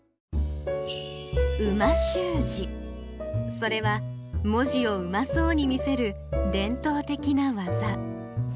それは文字をうまそうに見せる伝統的な技。